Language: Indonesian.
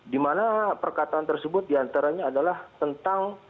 di mana perkataan tersebut diantaranya adalah tentang